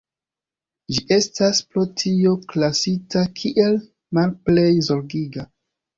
Ĝi estas pro tio klasita kiel "Malplej Zorgiga".